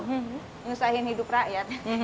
menyusahkan hidup rakyat